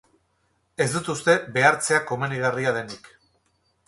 Ez dut uste behartzea komenigarria denik.